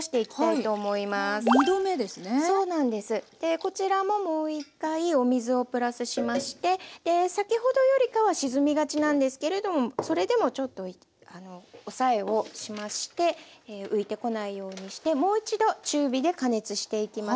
こちらももう一回お水をプラスしまして先ほどよりかは沈みがちなんですけれどもそれでもちょっと押さえをしまして浮いてこないようにしてもう一度中火で加熱していきます。